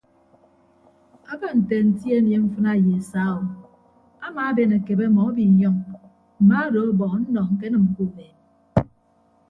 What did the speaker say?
Aba nte anti anie mfịna ye saa o amaaben akebe ọmọ abiinyọñ mma odo ọbọ ọnnọ ñkenịm ke ubeed.